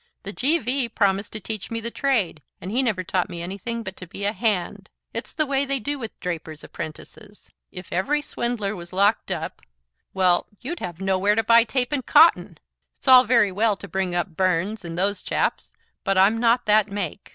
The G.V. promised to teach me the trade, and he never taught me anything but to be a Hand. It's the way they do with draper's apprentices. If every swindler was locked up well, you'd have nowhere to buy tape and cotton. It's all very well to bring up Burns and those chaps, but I'm not that make.